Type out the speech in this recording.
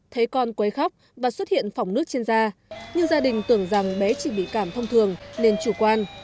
thấy con quấy khóc và xuất hiện phỏng nước trên da nhưng gia đình tưởng rằng bé chỉ bị cảm thông thường nên chủ quan